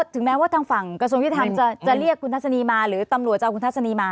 ถึงแม้ว่าทางฝั่งกระทรวงยุทธรรมจะเรียกคุณทัศนีมาหรือตำรวจจะเอาคุณทัศนีมา